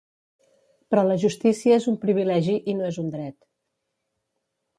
Però la justícia és un privilegi i no és un dret.